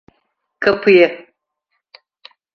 Kapıyı…